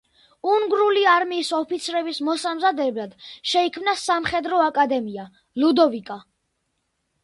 უნგრული არმიის ოფიცრების მოსამზადებლად შეიქმნა სამხედრო აკადემია „ლუდოვიკა“.